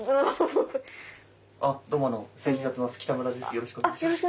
よろしくお願いします。